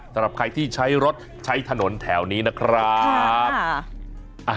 สำหรับใครที่ใช้รถใช้ถนนแถวนี้นะครับ